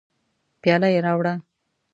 پیاله یې راوړه.